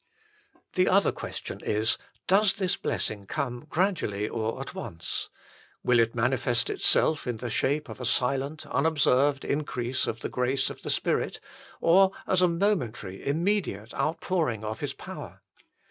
The other question is : Does this blessing come gradually or at once ? Will it manifest itself in the shape of a silent, unobserved increase of the grace of the Spirit or as a momentary, immediate outpouring of His power